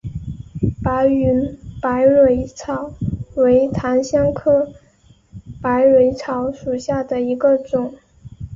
白云百蕊草为檀香科百蕊草属下的一个种。